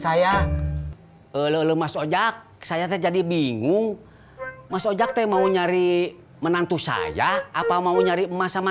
saya lemas ojak saya terjadi bingung mas ojak teh mau nyari menantu saya apa mau nyari emas sama